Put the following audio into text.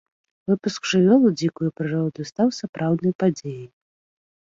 Выпуск жывёл у дзікую прыроду стаў сапраўднай падзеяй.